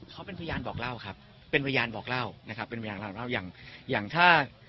เขาเป็นพยานบอกเล่าครับเป็นพยานบอกเล่านะครับเป็นพยานเล่าเล่าอย่างอย่างถ้า